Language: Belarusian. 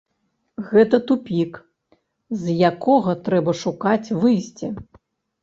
Гэта тупік, з якога трэба шукаць выйсце.